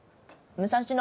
「武蔵野」！